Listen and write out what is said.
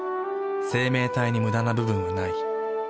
生命体にムダな部分はない。